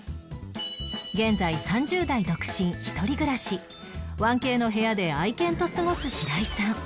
現在３０代独身一人暮らし １Ｋ の部屋で愛犬と過ごす白井さん